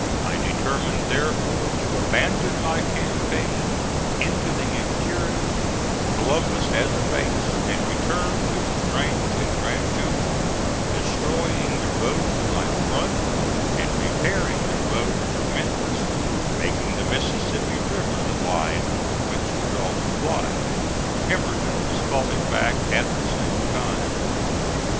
I determined, therefore, to abandon my campaign into the interior with Columbus as a base, and returned to La Grange and Grand Junction destroying the road to my front and repairing the road to Memphis, making the Mississippi river the line over which to draw supplies. Pemberton was falling back at the same time.